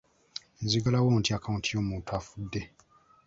Nzigalawo ntya akaawunti y'omuntu afudde?